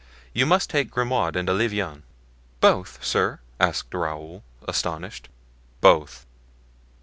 You must take Grimaud and Olivain." "Both, sir?" asked Raoul, astonished. "Both."